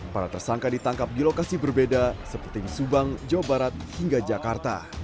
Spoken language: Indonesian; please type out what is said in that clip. para tersangka ditangkap di lokasi berbeda seperti di subang jawa barat hingga jakarta